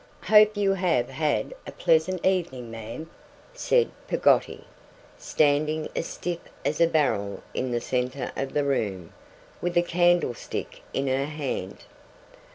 'Hope you have had a pleasant evening, ma'am,' said Peggotty, standing as stiff as a barrel in the centre of the room, with a candlestick in her hand.